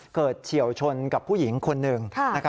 เฉียวชนกับผู้หญิงคนหนึ่ง